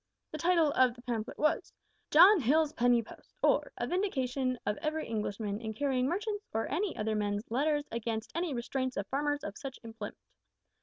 The title of the pamphlet was `John Hill's Penny Post; or, A Vindication of every Englishman in carrying Merchants' or any other Men's Letters against any restraints of Farmers of such Employment.'